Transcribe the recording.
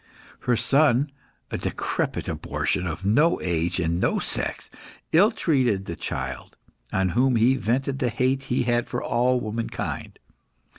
Her son a decrepit abortion, of no age and no sex ill treated the child, on whom he vented the hate he had for all womankind.